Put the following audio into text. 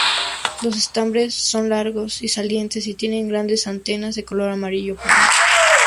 Los estambres son largos y salientes y tienen grandes anteras de color amarillo pálido.